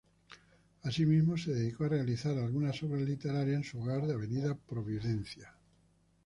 Asimismo, se dedicó a realizar algunas obras literarias en su hogar de avenida Providencia.